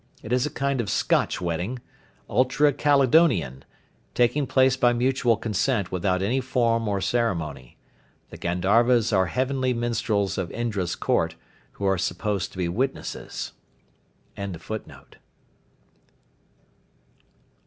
It is a kind of Scotch Wedding ultra Caledonian taking place by mutual consent without any form or ceremony. The Gandharvas are heavenly minstrels of Indra's court, who are supposed to be witnesses.] =END OF PART III.